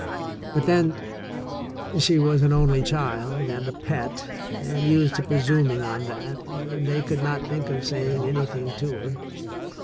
But then she was an only child and a pet, and used to presuming on that, and they could not think of saying anything to her.